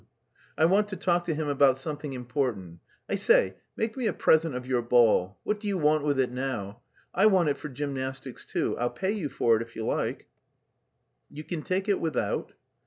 "I want to talk to him about something important.... I say, make me a present of your ball; what do you want with it now? I want it for gymnastics too. I'll pay you for it if you like." "You can take it without."